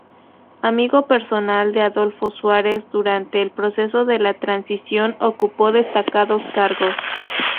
Amigo personal de Adolfo Suárez, durante el proceso de la Transición ocupó destacados cargos.